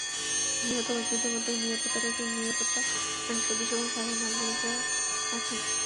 নিহত ব্যক্তিদের মধ্যে নিরাপত্তারক্ষী, নিরাপত্তা বাহিনীর সদস্য এবং সাধারণ নাগরিকও আছেন।